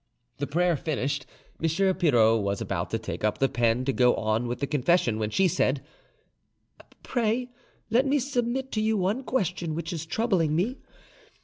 The prayer finished, M. Pirot was about to take up the pen to go on with the confession, when she said, "Pray let me submit to you one question which is troubling me.